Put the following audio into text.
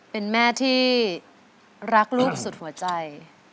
เป็นแม่ที่รักลูกสุดหัวใจ